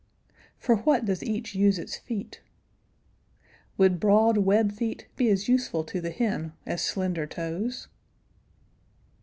For what does each use its feet? Would broad web feet be as useful to the hen as slender toes?